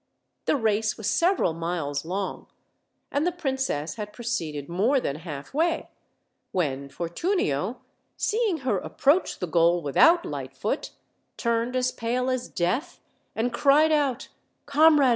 The race was sev eral miles long, and the princess had proceeded more than halfway, when Fortunio, seeing her approach the goal without Lightfoot, turned as pale as death, and cried out, "Comrade..